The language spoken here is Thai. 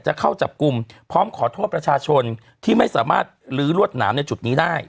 เข้าจับกลุ่มพร้อมขอโทษประชาชนที่ไม่สามารถลื้อรวดหนามในจุดนี้ได้